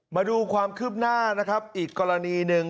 มาดูความคืบหน้านะครับอีกกรณีหนึ่ง